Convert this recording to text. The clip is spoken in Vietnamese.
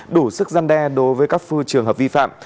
đủ sức gian đe đối với các trường hợp vi phạm